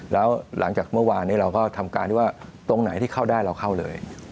แล้วหลังจากเมื่อวานนี้เราก็ทำการที่ว่าตรงไหนที่เข้าได้เราเข้าเลย